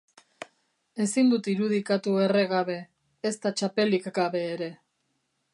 Ezin dut irudikatu erre gabe, ezta txapelik gabe ere.